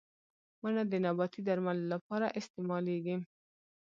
• ونه د نباتي درملو لپاره استعمالېږي.